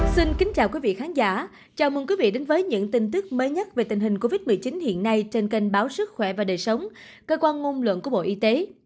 xin kính chào quý vị khán giả chào mừng quý vị đến với những tin tức mới nhất về tình hình covid một mươi chín hiện nay trên kênh báo sức khỏe và đời sống cơ quan ngôn luận của bộ y tế